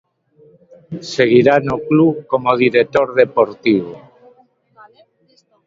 Seguirá no club como director deportivo.